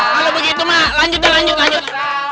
kalau begitu ma lanjut lanjut lanjut